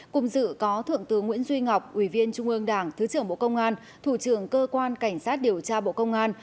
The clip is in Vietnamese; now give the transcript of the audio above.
cùng dự có thượng tướng nguyễn duy ngọc ủy viên trung ương đảng thứ trưởng bộ công an thủ trưởng cơ quan cảnh sát điều tra bộ công an